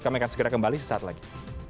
kami akan segera kembali sesaat lagi